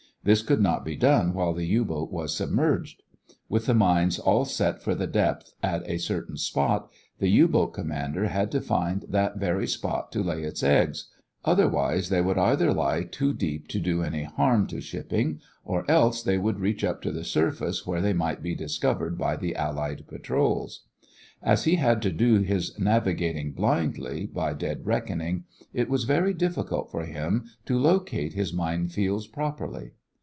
This could not be done while the U boat was submerged. With the mines all set for the depth at a certain spot, the U boat commander had to find that very spot to lay his "eggs," otherwise they would either lie too deep to do any harm to shipping, or else they would reach up to the surface, where they might be discovered by the Allied patrols. As he had to do his navigating blindly, by dead reckoning, it was very difficult for him to locate his mine fields properly.